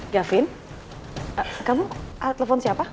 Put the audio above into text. gavin kamu telepon siapa